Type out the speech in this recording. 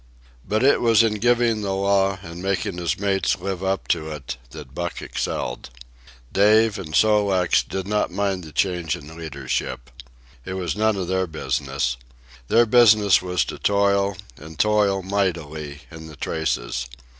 But it was in giving the law and making his mates live up to it, that Buck excelled. Dave and Sol leks did not mind the change in leadership. It was none of their business. Their business was to toil, and toil mightily, in the traces.